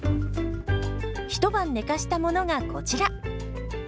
一晩寝かしたものがこちら。